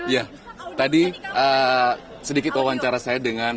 ya tadi sedikit wawancara saya dengan